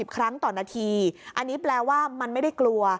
ครั้งต่อนาทีอันนี้แปลว่ามันไม่ได้กลัว